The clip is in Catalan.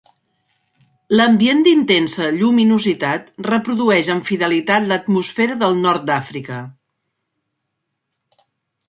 L'ambient d'intensa lluminositat reprodueix amb fidelitat l'atmosfera del nord d'Àfrica.